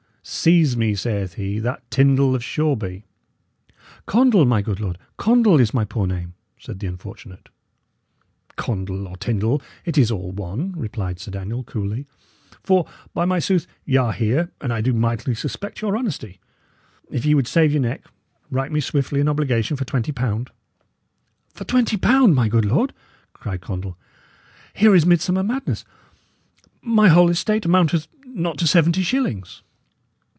"'Seize me,' saith he, 'that Tyndal of Shoreby.'" "Condall, my good lord; Condall is my poor name," said the unfortunate. "Condall or Tyndal, it is all one," replied Sir Daniel, coolly. "For, by my sooth, y' are here and I do mightily suspect your honesty. If ye would save your neck, write me swiftly an obligation for twenty pound." "For twenty pound, my good lord!" cried Condall. "Here is midsummer madness! My whole estate amounteth not to seventy shillings."